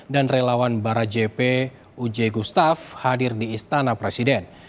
dan relawan barajep uj gustaf hadir di istana presiden